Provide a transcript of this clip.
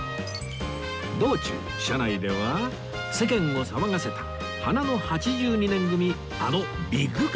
道中車内では世間を騒がせた花の８２年組あのビッグカップルの話題に